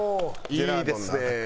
いいですね。